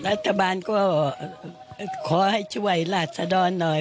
รัฐบาลก็ขอให้ช่วยราชดรหน่อย